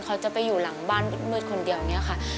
เขาจะไปอยู่หลังบ้านมืดคนเดียวอย่างนี้ค่ะ